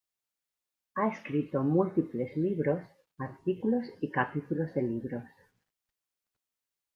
Ha escrito múltiples libros, artículos y capítulos de libros.